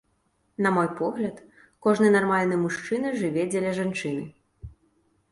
На мой погляд, кожны нармальны мужчына жыве дзеля жанчыны.